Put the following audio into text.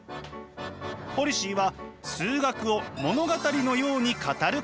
ポリシーは数学を物語のように語ること。